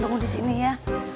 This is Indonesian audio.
tunggu di sini ya